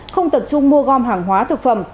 không tập trung mua gom hàng hóa thực phẩm